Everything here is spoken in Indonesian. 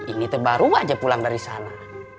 ini tuh baru aja pulang dari sana